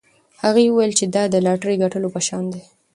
هغې وویل دا د لاټرۍ ګټلو په شان دی.